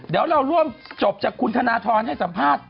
เดี๋ยวเราร่วมจบจากคุณธนทรให้สัมภาษณ์